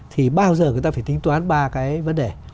thì bao giờ người ta phải tính toán ba cái vấn đề